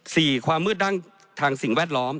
ความมืดด้านทางสิ่งแวดล้อม